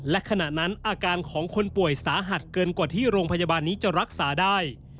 และขณะนั้นอาการของคนป่วยสาหัสเกินกว่าที่โรงพยาบาลนี้จะรักษาได้